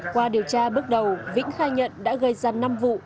qua điều tra bước đầu vĩnh khai nhận đã gây ra năm vụ